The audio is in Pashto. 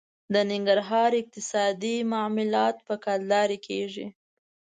د ننګرهار اقتصادي معاملات په کلدارې کېږي.